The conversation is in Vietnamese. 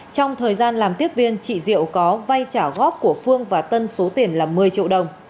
trong thời gian làm tiếp viên chị diệu có vay trả góp của phương và tân số tiền là một mươi triệu đồng